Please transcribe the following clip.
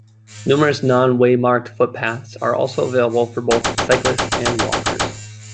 Numerous non-waymarked footpaths are also available for both cyclists and walkers.